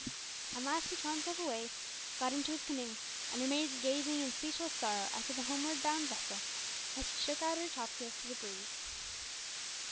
At last he tore himself away, got into his canoe, and remained gazing in speechless sorrow after the homeward bound vessel as she shook out her topsails to the breeze.